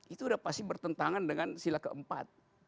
itu udah pasti bertentangan dengan sila keempat